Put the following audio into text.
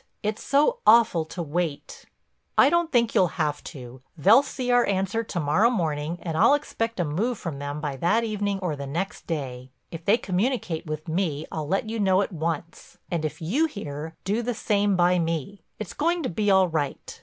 It's so awful to wait." "I don't think you'll have to. They'll see our answer to morrow morning and I'll expect a move from them by that evening or the next day. If they communicate with me, I'll let you know at once, and if you hear, do the same by me. It's going to be all right.